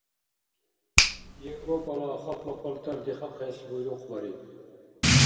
Европала халкьла палтар дихахъес буйрухъбариб.